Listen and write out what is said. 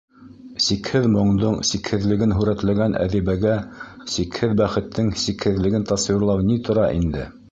Сикһеҙ моңдоң сикһеҙлеген һүрәтләгән әҙибәгә сикһеҙ бәхеттең сикһеҙлеген тасуирлау ни тора инде?!